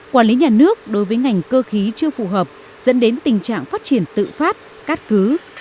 quản lý nhà nước đối với ngành cơ khí chưa phù hợp dẫn đến tình trạng phát triển tự phát cát cứ